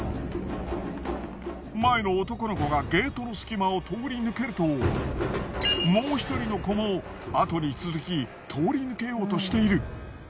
前の男の子がゲートの隙間を通り抜けるともう一人の子もあとに続き通り抜けようとしている。